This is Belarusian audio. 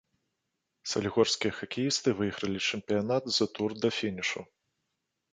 Салігорскія хакеісты выйгралі чэмпіянат за тур да фінішу.